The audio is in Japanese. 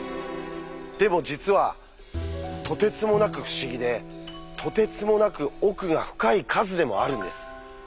でも実はとてつもなく不思議でとてつもなく奥が深い数でもあるんです。